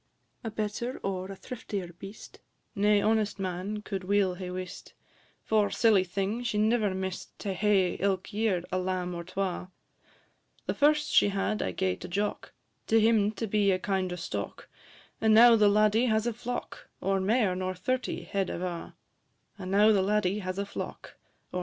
A better or a thriftier beast Nae honest man could weel hae wist, For, silly thing, she never mist To hae ilk year a lamb or twa': The first she had I gae to Jock, To be to him a kind o' stock, And now the laddie has a flock O' mair nor thirty head ava'; And now the laddie has a flock, &c.